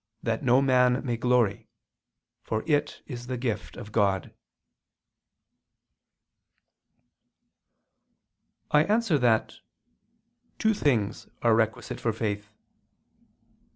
. that no man may glory ... for it is the gift of God." I answer that, Two things are requisite for faith.